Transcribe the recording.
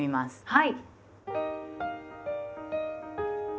はい。